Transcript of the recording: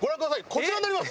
こちらになります！